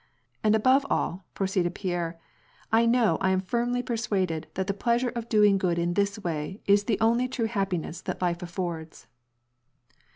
And above all,*' pro ceeded Pierre, "I know and am firmly persuaded that the pleasure of doing good in this way is the only true happiness that life affords."